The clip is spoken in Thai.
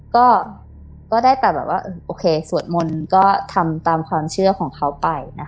ก็ได้แต่แบบว่าโอเคสวดมนต์ก็ทำตามความเชื่อของเขาไปนะคะ